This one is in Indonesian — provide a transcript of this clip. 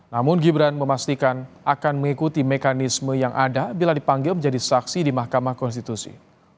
namun gibran memastikan akan mengikuti mekanisme yang ada bila dipanggil menjadi saksi di mahkamah konstitusi